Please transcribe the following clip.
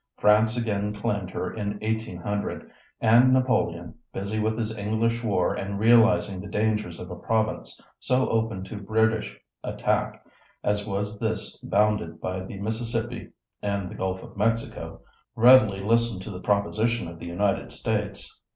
France again claimed her in 1800, and Napoleon, busy with his English war and realizing the dangers of a province so open to British attack as was this bounded by the Mississippi and the Gulf of Mexico, readily listened to the proposition of the United States.